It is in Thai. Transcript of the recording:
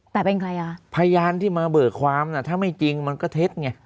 แต่เป็นใครอ่ะพยานที่มาเบิกความน่ะถ้าไม่จริงมันก็เท็จไง